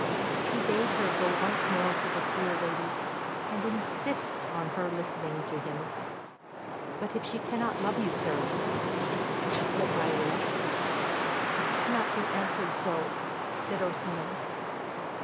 He bade her go once more to the cruel lady, and insist on her listening to him. "But if she cannot love you, sir?" said Viola. "I cannot be answered so," said Orsino.